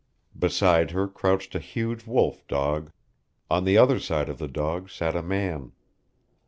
Beside her crouched a huge wolf dog; on the other side of the dog sat a man.